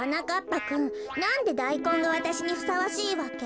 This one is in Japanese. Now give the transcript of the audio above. ぱくんなんでダイコンがわたしにふさわしいわけ？